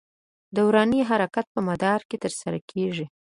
دوراني حرکت په مدار کې تر سره کېږي.